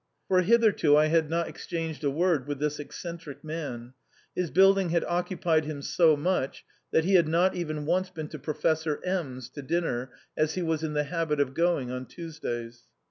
For hitherto I had not exchanged a word with this eccentric man ; his build ing had occupied him so much that he had not even once been to Professor M 's to dinner, as he was in the habit of going on Tuesdays.